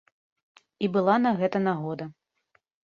І была на гэта нагода.